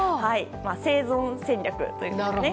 生存戦略ということです。